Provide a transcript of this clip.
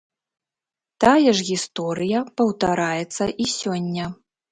Тая ж гісторыя паўтараецца і сёння.